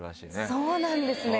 そうなんですね。